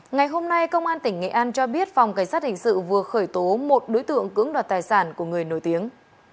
ngày hôm nay công an tỉnh nghệ an cho biết phòng cảnh sát hình sự vừa khởi tố một đối tượng cưỡng đoạt tài sản của người nổi tiếng